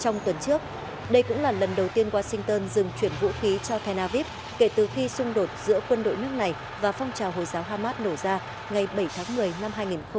trong tuần trước đây cũng là lần đầu tiên washington dừng chuyển vũ khí cho tel aviv kể từ khi xung đột giữa quân đội nước này và phong trào hồi giáo hamas nổ ra ngày bảy tháng một mươi năm hai nghìn một mươi ba